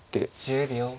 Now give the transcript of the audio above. １０秒。